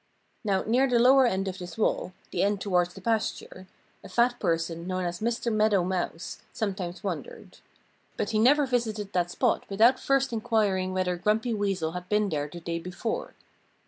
Now, near the lower end of this wall the end toward the pasture a fat person known as Mr. Meadow Mouse sometimes wandered. But he never visited that spot without first inquiring whether Grumpy Weasel had been there the day before.